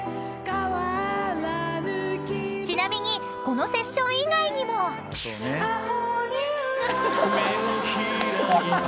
［ちなみにこのセッション以外にも］「目を開いて」